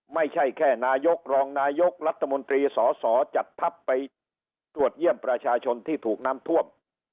ไม่ใช่แค่นายกรองนายกรัฐมนตรีสสจัดทัพไปตรวจเยี่ยมประชาชนที่ถูกน้ำท่วม